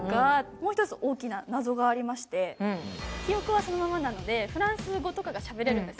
もう１つ大きな謎がありまして記憶はそのままなので、フランス語とかがしゃべれるんです。